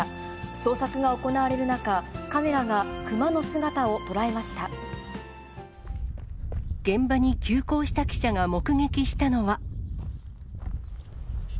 捜索が行われる中、カメラが熊の現場に急行した記者が目撃したのは。